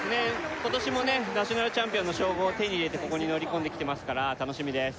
今年もねナショナルチャンピオンの称号を手に入れてここに乗り込んできてますから楽しみです